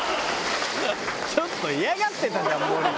「ちょっと嫌がってたじゃん森が」